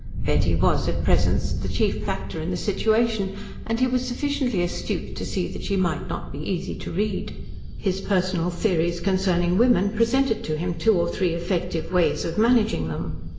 Betty was, at present, the chief factor in the situation, and he was sufficiently astute to see that she might not be easy to read. His personal theories concerning women presented to him two or three effective ways of managing them.